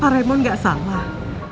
pak raymond gak salah